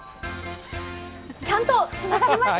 ちゃんとつながりました。